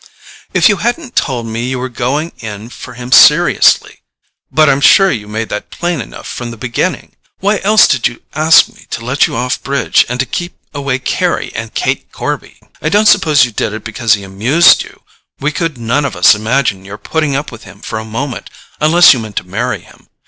"If you hadn't told me you were going in for him seriously—but I'm sure you made that plain enough from the beginning! Why else did you ask me to let you off bridge, and to keep away Carry and Kate Corby? I don't suppose you did it because he amused you; we could none of us imagine your putting up with him for a moment unless you meant to marry him.